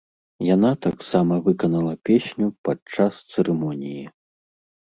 Яна таксама выканала песню падчас цырымоніі.